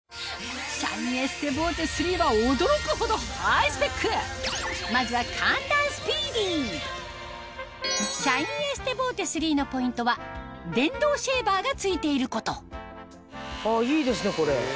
シャインエステボーテ３は驚くほどハイスペックまずはシャインエステボーテ３のポイントは電動シェーバーが付いていることあぁいいですねこれ。